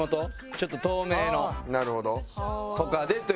ちょっと透明のとかでというので。